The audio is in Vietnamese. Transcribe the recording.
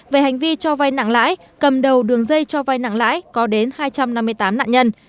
về hành vi cho vay nặng lãi cầm đầu đường dây cho vai nặng lãi có đến hai trăm năm mươi tám nạn nhân